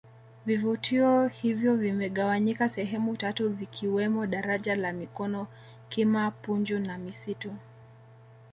vivutio hivyo vimegawanyika sehemu tatu vikiwemo daraja la mikoko kima punju na misitu